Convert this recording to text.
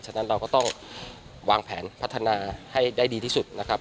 ฉะนั้นเราก็ต้องวางแผนพัฒนาให้ได้ดีที่สุดนะครับ